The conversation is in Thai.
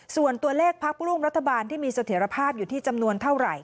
ส่วนตัวเลขพักร่วมรัฐบาลที่มีเสถียรภาพอยู่ที่จำนวนเท่าไหร่